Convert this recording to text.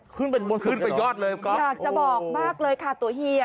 ขึ้นไปยอดเลยครับก๊อปโอ้โฮอยากจะบอกมากเลยค่ะตัวเฮีย